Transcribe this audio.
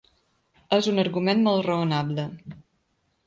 Es un argument molt raonable.